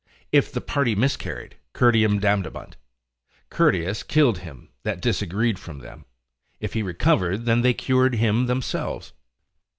If the party miscarried, Curtium damnabant, Curtius killed him, that disagreed from them: if he recovered, then they cured him themselves.